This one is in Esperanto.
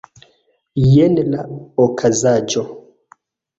Jen la okazaĵo.